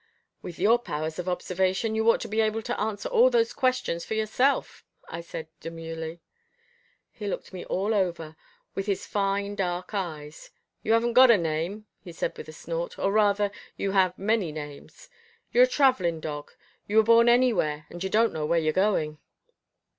"With your powers of observation, you ought to be able to answer all those questions for yourself," I said demurely. He looked me all over, with his fine dark eyes. "You haven't got a name," he said with a snort, "or rather you have many names. You're a travelling dog. You were born anywhere, and you don't know where you're going."